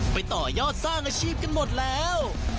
ต่อยอดสร้างอาชีพกันหมดแล้ว